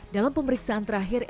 dalam pemeriksaan terakhir